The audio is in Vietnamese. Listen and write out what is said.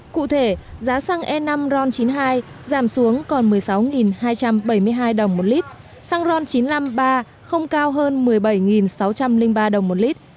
cụ thể giá xăng e năm ron chín mươi hai giảm xuống còn một mươi sáu hai trăm bảy mươi hai đồng một lít xăng ron chín mươi năm iii không cao hơn một mươi bảy sáu trăm linh ba đồng một lít